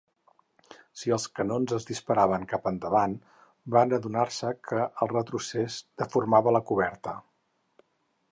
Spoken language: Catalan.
Si els canons es disparaven cap endavant, van adonar-se que el retrocés deformava la coberta.